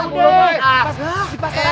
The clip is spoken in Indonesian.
di pasar aja